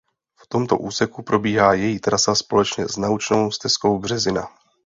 V tomto úseku probíhá její trasa společně s Naučnou stezkou Březina.